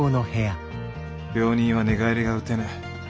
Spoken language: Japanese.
病人は寝返りが打てぬ。